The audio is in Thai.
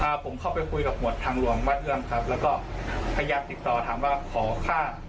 ผมเข้าไปคุยกับหมวดทางหลวงบ้านเอื้องครับแล้วก็พยายามติดต่อถามว่าขอค่า